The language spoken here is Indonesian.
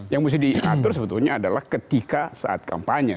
yang mesti diatur sebetulnya adalah ketika saat kampanye